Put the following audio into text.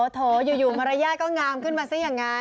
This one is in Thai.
โถอยู่มารยาทก็งามขึ้นมาซะอย่างนั้น